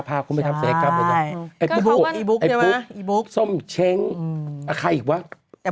พาคุณไปทำแสดกอ่ะไอ้บุ๊กไอ้บุ๊กไอ้บุ๊กซมชั้นอ่ะใครอีกวะแต่